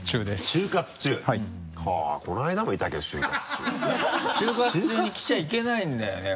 就活中に来ちゃいけないんだよね